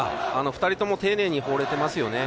２人とも丁寧に放れてます。